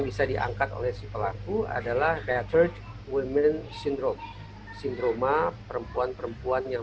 bisa diangkat oleh si pelaku adalah theater women syndrome sindroma perempuan perempuan yang